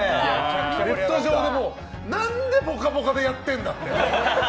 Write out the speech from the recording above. ネット上で何で「ぽかぽか」でやってるんだって。